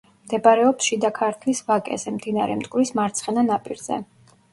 მდებარეობს შიდა ქართლის ვაკეზე, მდინარე მტკვრის მარცხენა ნაპირზე.